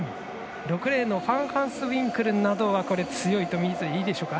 ６レーンのファンハンスウィンクルなんかは強いとみていいでしょうか。